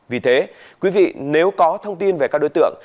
vì thế quý vị nếu có thông tin về các đối tượng